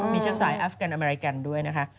มีชะสายอาฟแกนอเมริกันด้วยนะคะ